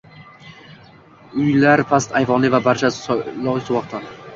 Uylar past ayvonli va barchasi loysuvoqdan.